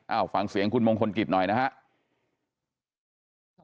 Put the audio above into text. เอาฟังเสียงคุณมงคลกิจหน่อยนะครับ